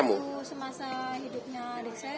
cuma aku semasa hidupnya adik saya